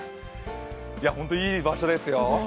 本当、いい場所ですよ。